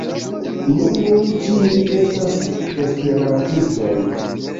Ni nun ĉiuj estas esperantistoj!